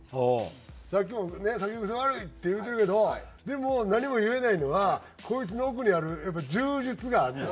さっきもね酒癖悪いって言うてるけどでも何も言えないのはこいつの奥にある柔術があんねん。